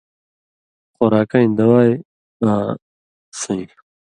خوراکَیں دوائ آں سُویں۔